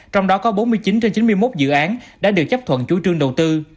trong đó có bốn mươi chín trên chín mươi một dự án đã được chấp thuận chủ trương đầu tư